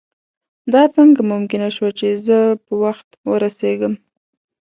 دا څنګه ممکنه شوه چې زه په وخت ورسېږم.